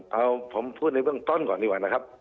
เอ่อเอาผมพูดในเวลาต้นก่อนดีกว่านะครับ